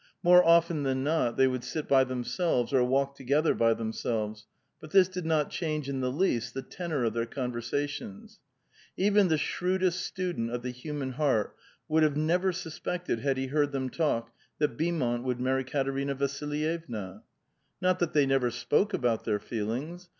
More often than not they would sit by themselves or walk together by themselves; but this did 'not change in the least the tenor of their conversations. Even the shrewdest student of the human heart would have never suspected, had \)e heard them talk, that Beaumont would marry Katerina Vasilyevna. Not that they never spoke about their feel ings.